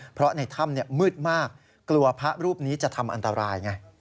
เพราะในถ้ำมืดมากกลัวพระรูปนี้จะทำอันตรายไง